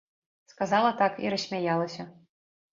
Сказала так і рассмяялася.